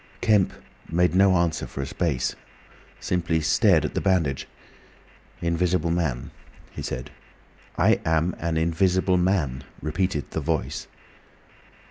Kemp made no answer for a space, simply stared at the bandage. "Invisible Man," he said. "I am an Invisible Man," repeated the Voice.